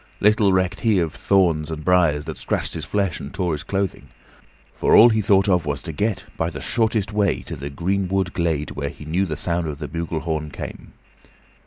Little recked he of thorns and briers that scratched his flesh and tore his clothing, for all he thought of was to get, by the shortest way, to the greenwood glade whence he knew the sound of the bugle horn came.